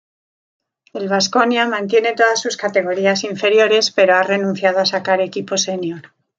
El Vasconia mantiene todas sus categorías inferiores, pero ha renunciado a sacar equipo senior.